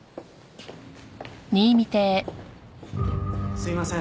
すいません。